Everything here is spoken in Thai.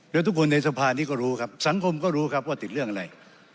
แล้วทุกคนในสภานี้ก็รู้ครับสังคมก็รู้ครับว่าติดเรื่องอะไร